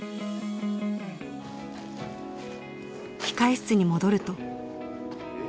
控え室に戻ると。